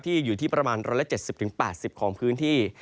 อยู่ที่ประมาณ๑๗๐๘๐ของพื้นที่